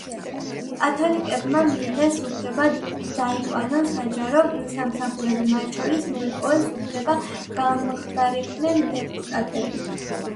კათოლიკეებმა მიიღეს უფლება დაიკავონ საჯარო სამსახურები, მათ შორის მოიპოვეს უფლება გამხდარიყვნენ დეპუტატები.